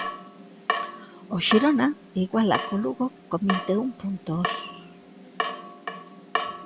O Xirona iguala co Lugo con vinte e un puntos.